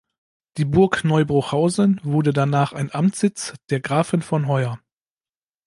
Die Burg Neubruchhausen wurde danach ein Amtssitz der Grafen von Hoya.